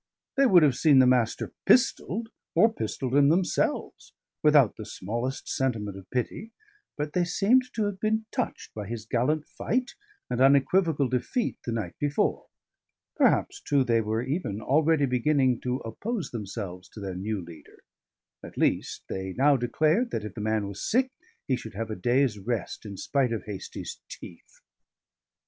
They would have seen the Master pistolled, or pistolled him themselves, without the smallest sentiment of pity; but they seemed to have been touched by his gallant fight and unequivocal defeat the night before; perhaps, too, they were even already beginning to oppose themselves to their new leader: at least, they now declared that (if the man was sick) he should have a day's rest in spite of Hastie's teeth.